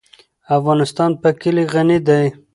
افغانستان په کلي غني دی.